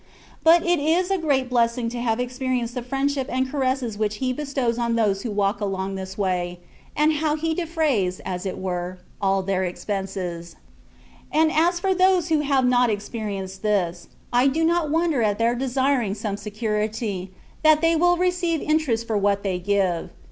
But it is a great THE WAY OF PERFECTION. 117 blessing to have experienced the friendship and caresses which He bestows on those who walk along this way, and how He defrays, as it were, all their expenses. And as for those who have not experienced this, I do not wonder at their desiring some security, that they will receive interest for what they give.